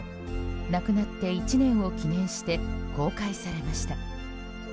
亡くなって１年を記念して公開されました。